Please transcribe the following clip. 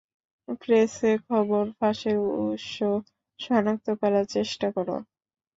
প্রেসে খবর ফাঁসের উৎস শনাক্ত করার চেষ্টা করো।